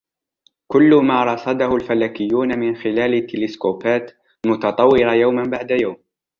كل ما رصده الفلكيون من خلال التلسكوبات المتطورة يوما بعد يوم